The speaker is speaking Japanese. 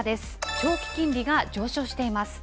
長期金利が上昇しています。